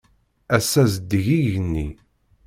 Ass-a, zeddig yigenni.